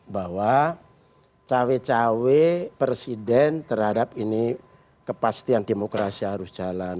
bahwa cawe cawe presiden terhadap ini kepastian demokrasi harus jalan